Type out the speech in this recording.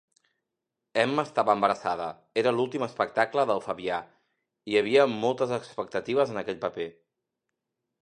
Emma estava embarassada, era l'últim espectacle del Fabià, hi havia moltes expectatives en aquell paper.